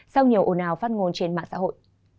sau nhiều ồn ào phát ngôn trên mạng xã hội